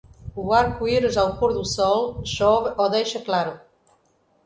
O arco-íris ao pôr do sol chove ou deixa claro.